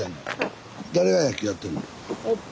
誰が野球やってんの？